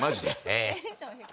ええ。